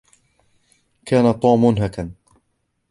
كان توم منهكا.